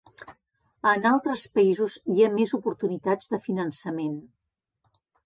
En altres països hi ha més oportunitats de finançament.